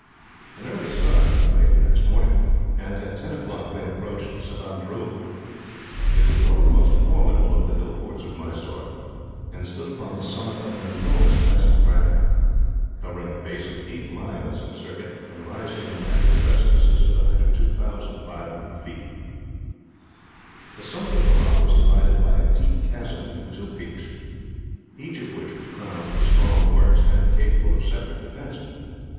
An early start was made, and at ten o'clock they approached Savandroog. It was one of the most formidable of the hill forts of Mysore, and stood upon the summit of an enormous mass of granite, covering a base of eight miles in circuit, and rising in ragged precipices to the height of 2,500 feet. The summit of the rock was divided by a deep chasm into two peaks, each of which was crowned with strong works, and capable of separate defence.